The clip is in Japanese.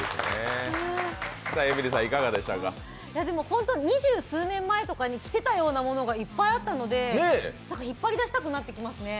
ほんと、二十数年前とかに着てたようなものがいっぱいあったので引っ張り出したくなってきますね。